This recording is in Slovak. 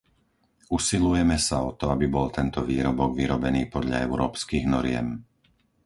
Usilujeme sa o to, aby bol tento výrobok vyrobený podľa európskych noriem.